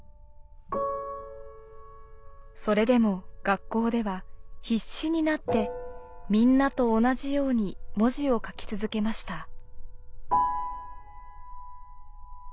それでも学校では必死になってみんなと同じように文字を書き続けました。